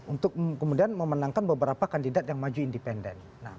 untuk kemudian memenangkan beberapa kandidat yang maju independen